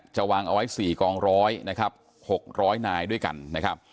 วางเอาไว้๔กองร้อยนะครับ๖๐๐นายด้วยกันนะครับ